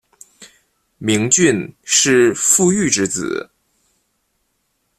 明俊是傅玉之子。